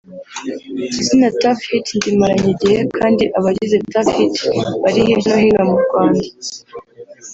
Izina Tuff Hit ndimaranye igihe kandi abagize Tuff Hit bari hirya no hino mu Rwanda